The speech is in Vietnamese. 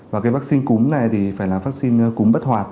và cái vaccine cúm này thì phải là vaccine cúm bất hoàn